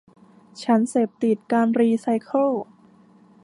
ฉันเสพติดการรีไซเคิล